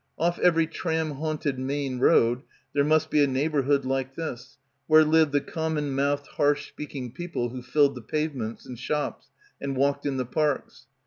Off every tram haunted main road, there must be a neighbourhood like this where lived the com mon mouthed harsh speaking people who filled the pavements and shops and walked in the parks.